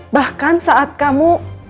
bahkan saat kamu